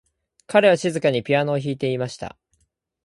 彼は静かにピアノを弾いていました。